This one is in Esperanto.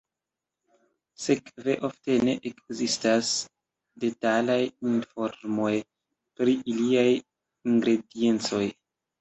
Sekve ofte ne ekzistas detalaj informoj pri iliaj ingrediencoj.